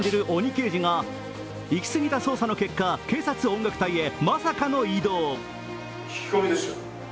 鬼刑事が行き過ぎた捜査の結果警察音楽隊へまさかの異動。